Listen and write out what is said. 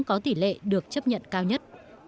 có tỷ lệ được chấp nhận cao nhất